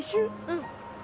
うん。